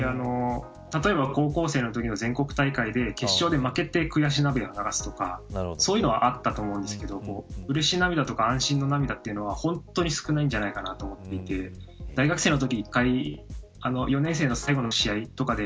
例えば高校生のときの全国大会で決勝で負けて悔し涙を流すとかそういうのはあったと思うんですけどうれし涙とか安心の涙は本当に少ないんじゃないかと思っていて大学生のときに１回４年生の最後の試合とかで